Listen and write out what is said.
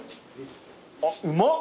あっうまっ。